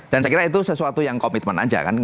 dan saya kira itu sesuatu yang komitmen aja kan